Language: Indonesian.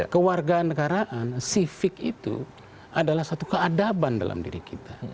ke wargaan negaraan sifik itu adalah satu keadaban dalam diri kita